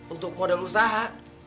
untuk modal usaha